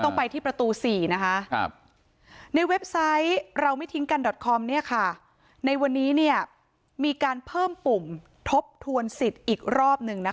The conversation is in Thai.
ในเว็บไซต์เราไม่ทิ้งกันดับคอมเนี้ยค่ะในวันนี้เนี้ยมีการเพิ่มปุ่มทบทวนสิทธิ์อีกรอบหนึ่งนะคะ